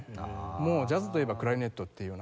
もうジャズといえばクラリネットっていうような。